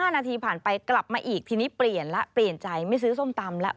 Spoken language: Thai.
๕นาทีผ่านไปกลับมาอีกทีนี้เปลี่ยนแล้วเปลี่ยนใจไม่ซื้อส้มตำแล้ว